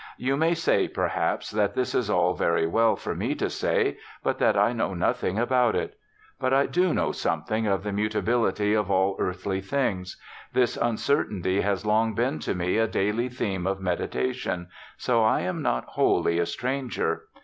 You may say, perhaps, that this is all very well for me to say, but that I know nothing about it. But I do know something of the mutabihty of all earthly things. This uncertainty has long been to me a daily theme of meditation ; so I am not wholly a stranger.